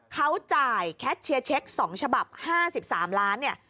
เขาจ่ายแคทเชียร์เช็ค๒ฉบับ๕๓ล้านเนี่ย